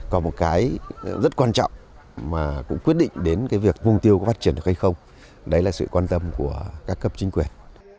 có một cái rất quan trọng mà cũng quyết định đến cái việc mục tiêu có phát triển được hay không đấy là sự quan tâm của các cấp chính quyền